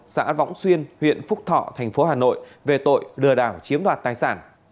xã võng xuyên huyện phúc thọ thành phố hà nội về tội lừa đảo chiếm đoạt tài sản